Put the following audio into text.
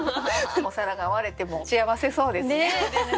お皿が割れても幸せそうですね。